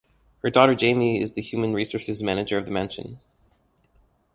Her daughter, Jaime, is the human resources manager of the mansion.